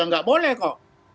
tidak boleh kok